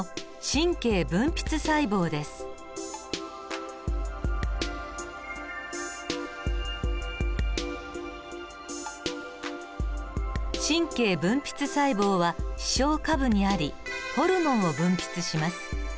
神経分泌細胞は視床下部にありホルモンを分泌します。